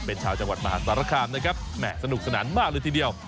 เป็นชาวจังหวัดมหาสารคามนะครับแหม่สนุกสนานมากเลยทีเดียว